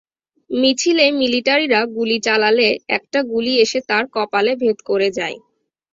মিছিলে মিলিটারিরা গুলি চালালে একটা গুলি এসে তার কপাল ভেদ করে যায়।